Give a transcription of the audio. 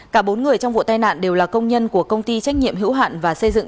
cả bốn người trong vụ tai nạn đều là công nhân của công ty trách nhiệm hữu hạn và xây dựng